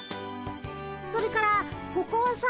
それからここはさ。